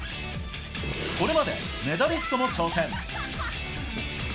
これまでメダリストも挑戦。